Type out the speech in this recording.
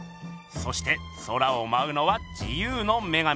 そして空をまうのは自由の女神。